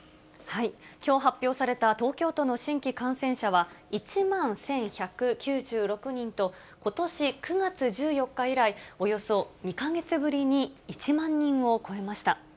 きょう発表された東京都の新規感染者は１万１１９６人と、ことし９月１４日以来、およそ２か月ぶりに１万人を超えました。